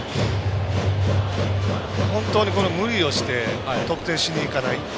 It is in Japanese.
本当に、無理をして得点しにいかない。